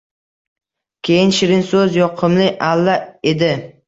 Keyin shirin soʻz, yoqimli alla edi.